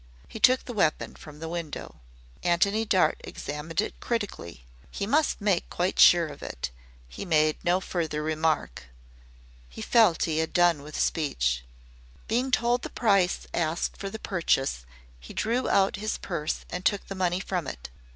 He took the weapon from the window. Antony Dart examined it critically. He must make quite sure of it. He made no further remark. He felt he had done with speech. Being told the price asked for the purchase, he drew out his purse and took the money from it.